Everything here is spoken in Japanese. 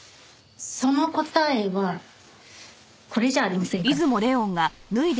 その答えはこれじゃありませんかね？